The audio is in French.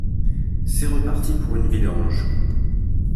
C’est reparti pour une vidange.